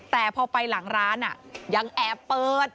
แต่พอไปหลังร้านยังแอบเปิด